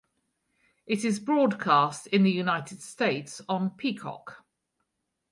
It is broadcast in the United States on Peacock.